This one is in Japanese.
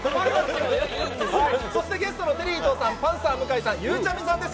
そしてゲストのテリー伊藤さん、パンサー・向井さん、ゆうちゃみさんです。